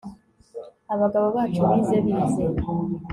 Abagabo bacu bize bize